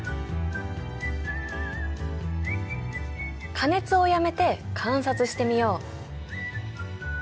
加熱をやめて観察してみよう。